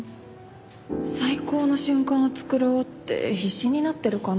最高の瞬間を作ろうって必死になってるかな。